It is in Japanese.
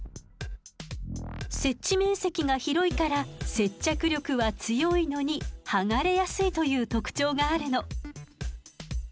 接地面積が広いから接着力は強いのにはがれやすいという特徴があるの。